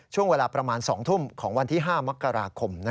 ช่วงเวลาประมาณ๒ทุ่มของวันที่๕มกราคม